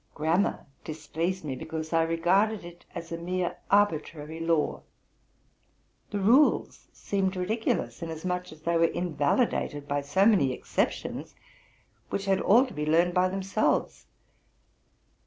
Grammar dis pleased me, because I regarded it as a mere arbitrary law : the rules seemed ridiculous, inasmuch as they were invali dated by so many exceptions, which had all to be learned by themselves.